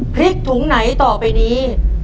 พริกถุงไหนต่อไปนี้